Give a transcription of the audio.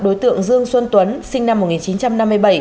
đối tượng dương xuân tuấn sinh năm một nghìn chín trăm năm mươi bảy